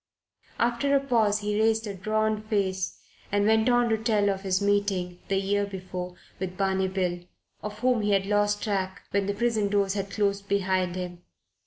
After a pause he raised a drawn face and went on to tell of his meeting, the year before, with Barney Bill, of whom he had lost track when the prison doors had closed behind him.